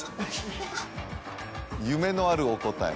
夢のあるお答え